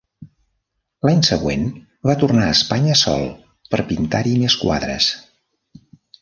L'any següent va tornar a Espanya sol per pintar-hi més quadres.